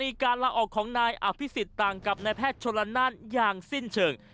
การลาออกของนายอภิษฎต่างกับนายแพทย์ชนละนานอย่างสิ้นเชิง